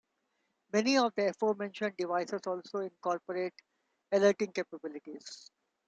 Many of the aforementioned devices also incorporate alerting capabilities.